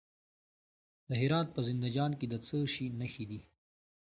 د هرات په زنده جان کې د څه شي نښې دي؟